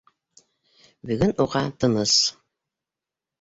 Бөгөн уға тыныс.